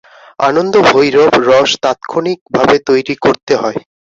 আনন্দভৈরব রস তাৎক্ষণিকভাবে তৈরি করতে হয়।